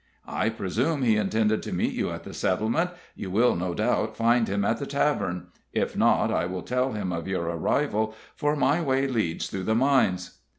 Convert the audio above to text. "I presume he intended to meet you at the settlement You will no doubt find him at the tavern; if not, I will tell him of your arrival, for my way leads through the mines."